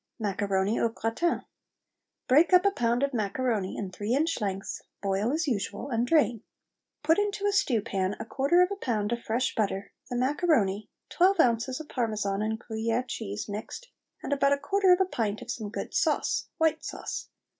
MACARONI AU GRATIN. Break up a pound of macaroni in three inch lengths, boil as usual and drain. Put into a stew pan a quarter of a pound of fresh butter, the macaroni, twelve ounces of Parmesan and Gruyere cheese mixed, and about a quarter of a pint of some good sauce, white sauce.